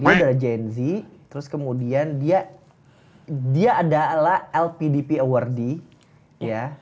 dia dari jnz terus kemudian dia dia adalah lpdp awardee ya